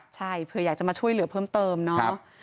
ใช่เผื่ออยากจะมาช่วยเหลือเพิ่มเติมเนาะ